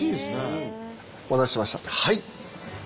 はい！